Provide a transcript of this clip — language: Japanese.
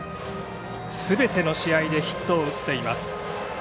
すべての試合でヒットを打っています。